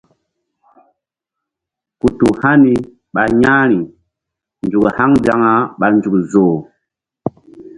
Ku tu hani ɓa ƴa̧h ri nzuk haŋ nzaŋa ɓa nzuk zoh.